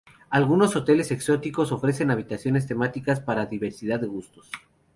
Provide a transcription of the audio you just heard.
Algunos hoteles exóticos ofrecen habitaciones temáticas para diversidad de gustos.